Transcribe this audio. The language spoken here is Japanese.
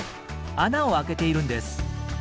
穴を開けているんです。